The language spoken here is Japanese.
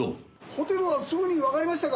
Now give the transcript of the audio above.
ホテルはすぐにわかりましたか？